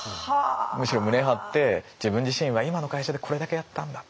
むしろ胸張って自分自身は今の会社でこれだけやったんだ。